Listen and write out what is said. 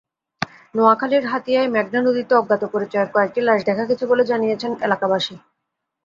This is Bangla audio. নোয়াখালীর হাতিয়ায় মেঘনা নদীতে অজ্ঞাত পরিচয়ের কয়েকটি লাশ দেখা গেছে বলে জানিয়েছেন এলাকাবাসী।